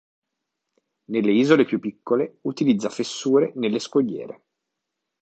Nelle isole più piccole utilizza fessure nelle scogliere.